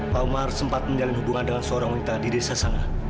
pak umar sempat menjalin hubungan dengan seorang wanita di desa sana